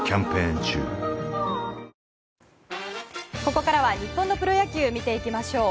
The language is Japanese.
ここからは、日本のプロ野球を見ていきましょう。